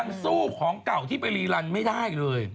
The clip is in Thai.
มันสู้ของเก่าที่ไปรีรันไม่ได้เลย